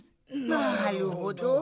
なるほど！